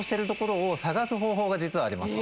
実はあります。